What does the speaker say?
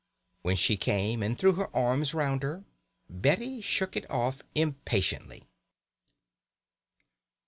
When she came and threw her arm round her, Betty shook it off impatiently.